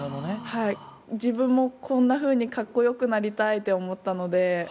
自分もこんなふうに格好良くなりたいって思ったので。